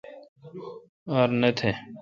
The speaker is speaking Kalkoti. ار نہ تھ۔